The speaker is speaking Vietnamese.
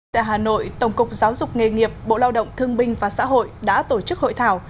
tại hà nội tổng cục giáo dục nghề nghiệp bộ lao động thương binh và xã hội đã tổ chức hội thảo